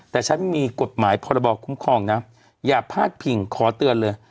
แต่ฉันมีกฎหมายพรบคุ้มครองนะอย่าพาดพิงขอเตือนเลย